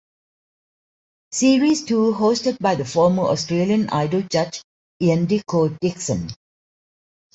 Series two hosted by the former "Australian Idol" judge Ian "Dicko" Dickson.